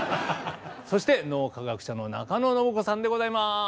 そして脳科学者の中野信子さんでございます。